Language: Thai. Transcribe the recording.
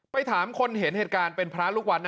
ถามคนเห็นเหตุการณ์เป็นพระลูกวัดนะ